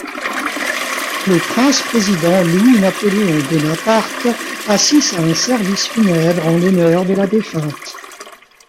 Le prince-président Louis-Napoléon Bonaparte assiste à un service funèbre en l’honneur de la défunte.